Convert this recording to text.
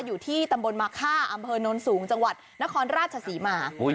อยู่ที่ตำบลมาค่าอำเภอโน้นสูงจังหวัดนครราชศรีมา